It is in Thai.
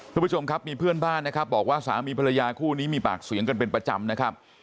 ทุกผู้ชมครับมีเพื่อนบ้านบอกว่าสามีภรรยาคู่นี้มีปากสวยงันเป็นประจำ